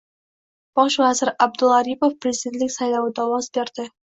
Bosh vazir Abdulla Aripov prezidentlik saylovida ovoz berdi